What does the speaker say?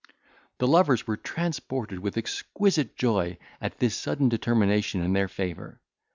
The lovers were transported with exquisite joy at this sudden determination in their favour.